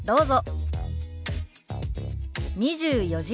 どうぞ。